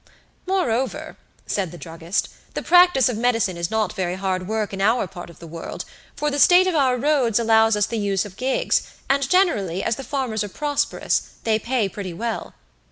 "Moreover," said the druggist, "the practice of medicine is not very hard work in our part of the world, for the state of our roads allows us the use of gigs, and generally, as the farmers are prosperous, they pay pretty well.